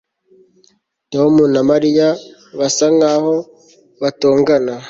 Tom na Mariya basa nkaho batongana